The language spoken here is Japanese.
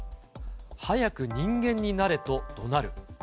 早く人間になれとどなる。